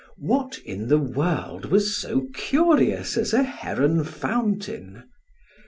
What in the world was so curious as a heron fountain?